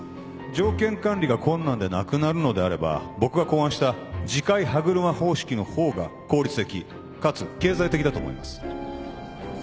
条件管理が困難でなくなるのであれば僕が考案した磁界歯車方式の方が効率的かつ経済的だと思います